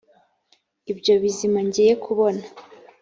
ibyo bizima ngiye kubona